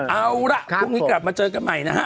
เอาล่ะพรุ่งนี้กลับมาเจอกันใหม่นะฮะ